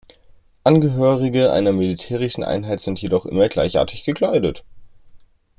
Angehörige einer militärischen Einheit sind jedoch immer gleichartig gekleidet.